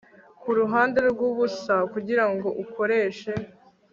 kuruhande rwubusa kugirango ukoreshe